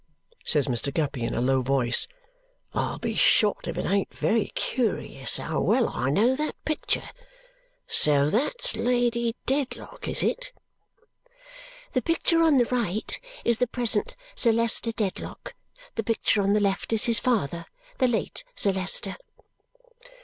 says Mr. Guppy in a low voice. "I'll be shot if it ain't very curious how well I know that picture! So that's Lady Dedlock, is it!" "The picture on the right is the present Sir Leicester Dedlock. The picture on the left is his father, the late Sir Leicester."